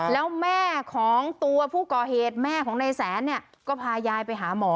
แล้วแม่ของตัวผู้ก่อเหตุแม่ของนายแสนเนี่ยก็พายายไปหาหมอ